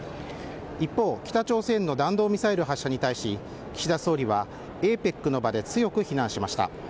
一方北朝鮮の弾道ミサイル発射に対し岸田総理はＡＰＥＣの場で強く非難しました。